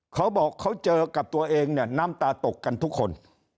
เขาบอกเขาเจอกับตัวเองเนี่ยน้ำตาตกกันทุกคน